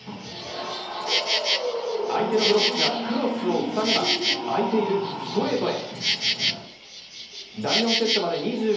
相手のブロックがクロスをふさげば空いているストレートへ。